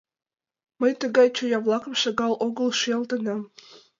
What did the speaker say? — Мый тыгай чоя-влакым шагал огыл шӱалтенам.